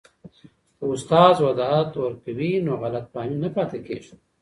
که استاد وضاحت ورکوي نو غلط فهمي نه پاته کېږي.